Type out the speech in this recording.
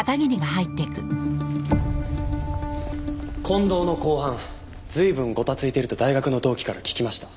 近藤の公判随分ごたついてると大学の同期から聞きました。